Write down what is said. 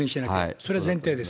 それが前提です。